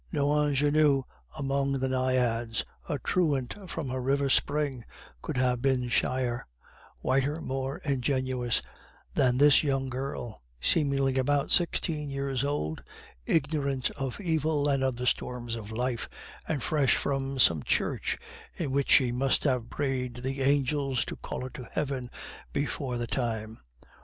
No ingenue among the naiads, a truant from her river spring, could have been shyer, whiter, more ingenuous than this young girl, seemingly about sixteen years old, ignorant of evil and of the storms of life, and fresh from some church in which she must have prayed the angels to call her to heaven before the time.